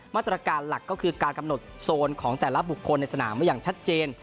มาตรการหลักก็คือการกำหนดโซนของแต่ละบุคคลในสนามมาอย่างชัดเจน